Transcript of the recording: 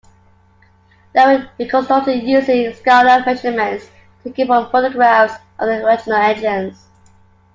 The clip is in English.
They were reconstructed using scaled-up measurements taken from photographs of the original engines.